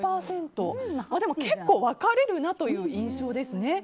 結構分かれるなという印象ですね。